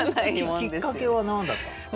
きっかけは何だったんですか？